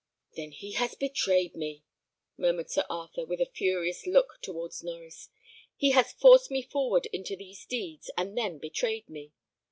"Then he has betrayed me!" murmured Sir Arthur, with a furious look towards Norries; "he has forced me forward into these deeds, and then betrayed me.